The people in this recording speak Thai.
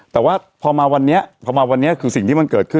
แต่ว่าพอมาวันนี้คือสิ่งที่มันเกิดขึ้น